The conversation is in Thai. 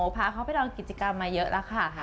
พาเขาไปลองกิจกรรมมาเยอะแล้วค่ะ